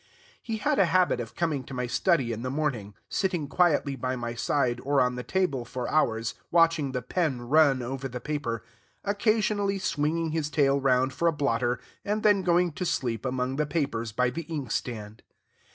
He had a habit of coming to my study in the morning, sitting quietly by my side or on the table for hours, watching the pen run over the paper, occasionally swinging his tail round for a blotter, and then going to sleep among the papers by the inkstand.